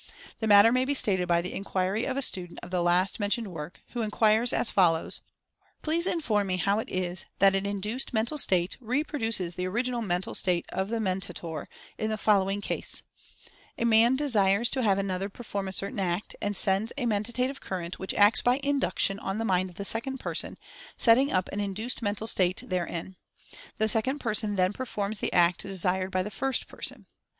The matter may be stated by the inquiry of a student of the last mentioned work, who inquires, as follows : "Please inform me how it is that an induced mental state reproduces the original mental state of the Men tator in the following case : a man desires to have an other perform a certain act, and sends a mentative current which acts by induction on the mind of the second person, setting up an induced mental state therein. The second person then performs the act de sired by the first person.